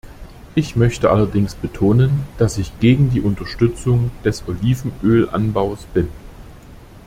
Ich möchte allerdings betonen, dass ich gegen die Unterstützung des Olivenölanbaus bin.